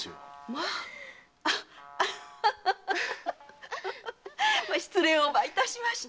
まあ失礼をいたしました。